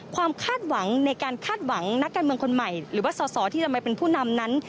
คาดหวังในการคาดหวังนักการเมืองคนใหม่หรือว่าสอสอที่จะมาเป็นผู้นำนั้น